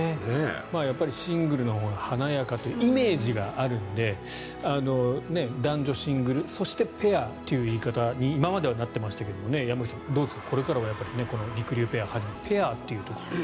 シングルのほうが華やかというイメージがあるんで男女シングルそしてペアという言い方に今まではなっていましたけど山口さん、どうですかこれからはりくりゅうペアをはじめペアというところが。